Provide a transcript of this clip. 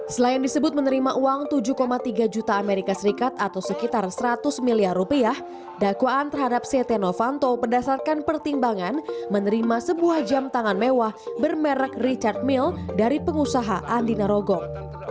selain disebut menerima uang tujuh tiga juta amerika serikat atau sekitar seratus miliar rupiah dakwaan terhadap setia novanto berdasarkan pertimbangan menerima sebuah jam tangan mewah bermerek richard mill dari pengusaha andi narogong